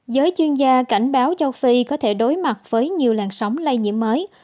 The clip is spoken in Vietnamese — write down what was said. giới chuyên gia cảnh báo châu phi có thể đối mặt với nhiều làn sóng lây nhiễm mới